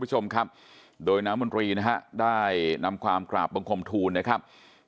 คุณผู้ชมครับโดยน้ำมนตรีนะฮะได้นำความกราบบังคมทูลนะครับ